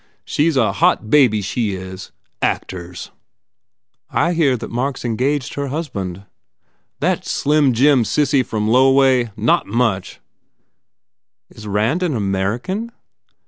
She s a hot baby, she is! Actors!" "I hear that Mark s engaged her husband." "That slimjim sissy from loway? Not much!" 177 THE FAIR REWARDS "Is Rand an American?"